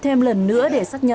thế lúc nào chị gọi lại ạ